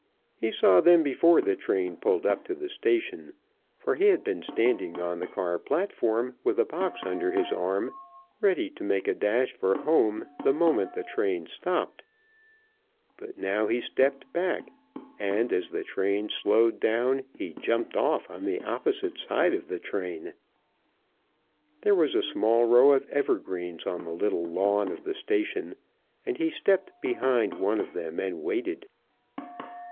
He saw them before the train pulled up to the station, for he had been standing on the car platform with a box under his arm, ready to make a dash for home the moment the train stopped, but now he stepped back and, as the train slowed down, he jumped off on the opposite side of the train. There was a small row of evergreens on the little lawn of the station, and he stepped behind one of them and waited.